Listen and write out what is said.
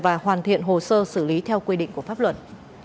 và hoàn thiện hồ sơ xử lý theo quy định của pháp luật